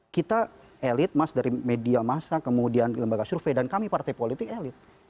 kita elit mas dari media massa kemudian lembaga survei dan kami partai politik elit